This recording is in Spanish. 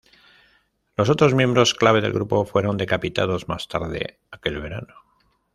Los otros miembros clave del grupo fueron decapitados más tarde aquel verano.